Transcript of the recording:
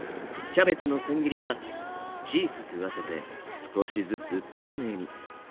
キャベツのせん切りは小さく分けて少しずつ丁寧に。